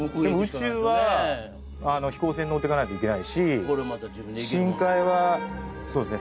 宇宙はあの飛行船乗ってかないと行けないし深海はそうですね